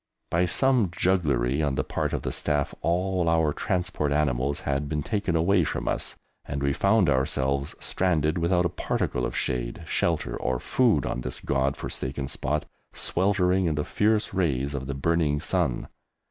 By some jugglery on the part of the Staff, all our transport animals had been taken away from us, and we found ourselves stranded without a particle of shade, shelter, or food on this God forsaken spot, sweltering in the fierce rays of the burning sun.